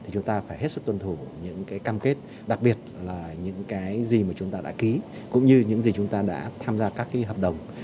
chúng ta phải hết sức tuân thủ những cam kết đặc biệt là những cái gì mà chúng ta đã ký cũng như những gì chúng ta đã tham gia các hợp đồng